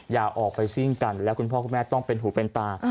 อย่าออกไปซิ่งกันแล้วคุณพ่อคุณแม่ต้องเป็นหูเป็นตา